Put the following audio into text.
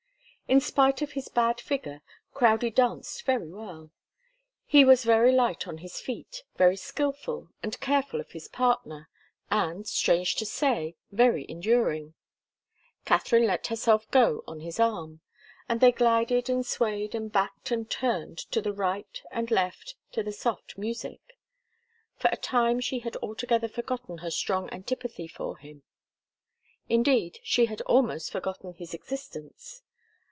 In spite of his bad figure, Crowdie danced very well. He was very light on his feet, very skilful and careful of his partner, and, strange to say, very enduring. Katharine let herself go on his arm, and they glided and swayed and backed and turned to the right and left to the soft music. For a time she had altogether forgotten her strong antipathy for him. Indeed, she had almost forgotten his existence.